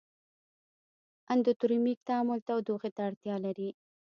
اندوترمیک تعامل تودوخې ته اړتیا لري.